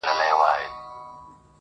په رګو کي د وجود مي لکه وینه,